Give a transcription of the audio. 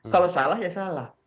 kalau salah ya salah